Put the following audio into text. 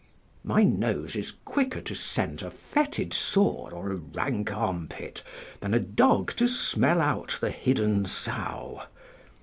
["My nose is quicker to scent a fetid sore or a rank armpit, than a dog to smell out the hidden sow."